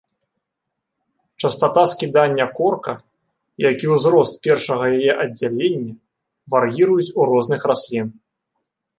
Частата скідання корка, як і ўзрост першага яе аддзялення, вар'іруюць у розных раслін.